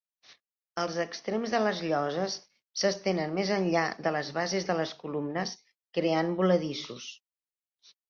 Els extrems de les lloses s'estenen més enllà de les bases de les columnes, creant voladissos.